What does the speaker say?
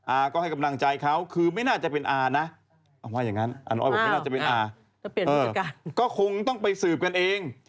อาร์ก็ให้กำลังใจเขาคือไม่น่าจะเป็นอาร์นะก็คงต้องไปสืบกันเอง